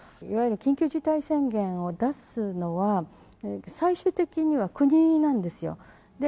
いわゆる緊急事態宣言を出すのは、最終的には国なんですよ。